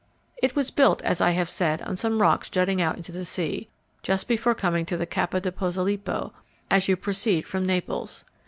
It was built, as I have said, on some rocks jutting into the sea, just before coming to the Capo di Posilipo as you proceed from Naples.